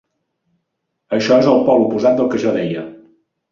Això és el pol oposat del que jo deia.